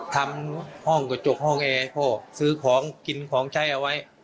ทำห้องกระจกห้องเองซื้อของกินของใจเอาไว้